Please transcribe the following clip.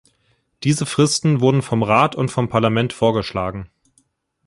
Diese Fristen wurden vom Rat und vom Parlament vorgeschlagen.